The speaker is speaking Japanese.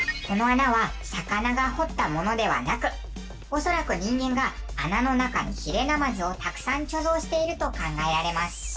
この穴は魚が掘ったものではなく恐らく人間が穴の中にヒレナマズをたくさん貯蔵していると考えられます。